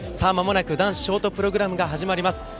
間もなく男子ショートプログラムが始まります。